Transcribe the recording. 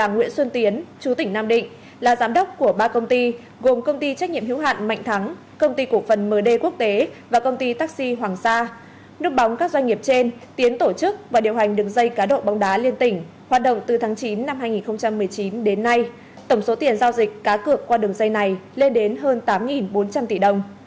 sáu nguyễn xuân tiến chủ tỉnh nam định là giám đốc của ba công ty gồm công ty trách nhiệm hiếu hạn mạnh thắng công ty cổ phần md quốc tế và công ty taxi hoàng sa nước bóng các doanh nghiệp trên tiến tổ chức và điều hành đường dây cá độ bóng đá liên tỉnh hoạt động từ tháng chín năm hai nghìn một mươi chín đến nay tổng số tiền giao dịch cá cược qua đường dây này lên đến hơn tám bốn trăm linh tỷ đồng